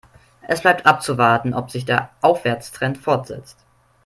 Es bleibt abzuwarten, ob sich der Aufwärtstrend fortsetzt.